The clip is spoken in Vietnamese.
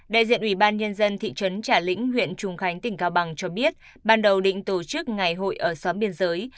đại diện ủy ban nhân dân thị trấn trà lĩnh huyện trùng khánh tỉnh cao bằng cho biết ban đầu định tổ chức ngày hội ở xóm biên giới